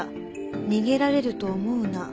逃げられると思うな」